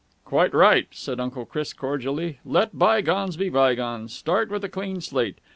"Quite right," said Uncle Chris cordially. "Let bygones be bygones. Start with a clean slate.